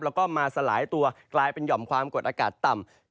แล้วก็มาสลายตัวกลายเป็นหย่อมความกดอากาศต่ำ